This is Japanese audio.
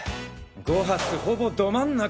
５発ほぼド真ん中！